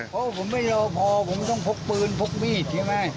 เพราะว่าผมไม่รอพอผมต้องพกปืนพกมีดใช่ไหม